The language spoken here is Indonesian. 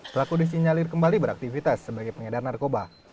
pelaku disinyalir kembali beraktivitas sebagai pengedar narkoba